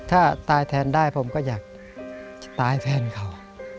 ถ้าตายแทนได้ผมก็อยากตายแทนเขา